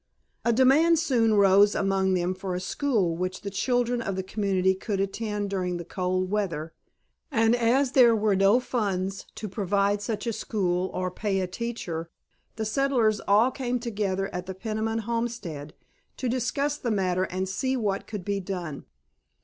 A demand soon rose among them for a school which the children of the community could attend during the cold weather, and as there were no funds to provide such a school or pay a teacher the settlers all came together at the Peniman homestead to discuss the matter and see what could be done.